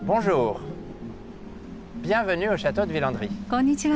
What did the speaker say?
こんにちは。